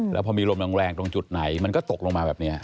แล้วพอมีลมแรงตรงจุดไหนมันก็ตกลงมาแบบนี้